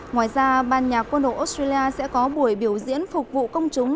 ngoài ra ban nhà quân đội australia sẽ có buổi biểu diễn phục vụ công chúng